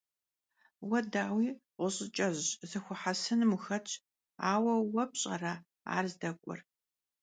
Vue, daui, ğuş'ıç'ej zexuehesınım vuxetş; aue vue pş'ere ar zdek'uer?